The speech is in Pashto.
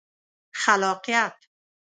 خلاقیت